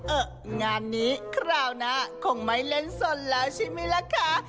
เอองานนี้คราวหน้าคงไม่เล่นสนแล้วใช่ไหมล่ะคะ